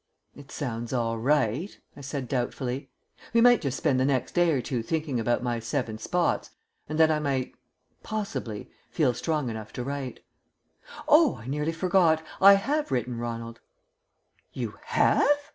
"It sounds all right," I said doubtfully. "We might just spend the next day or two thinking about my seven spots, and then I might ... possibly ... feel strong enough to write." "Oh, I nearly forgot. I have written, Ronald." "You have?"